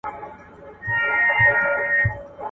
دا هم ستا د میني شور دی پر وطن چي افسانه یم.